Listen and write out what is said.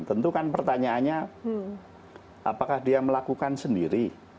tentu kan pertanyaannya apakah dia melakukan sendiri